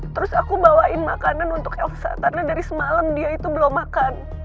terus aku bawain makanan untuk elsa karena dari semalam dia itu belum makan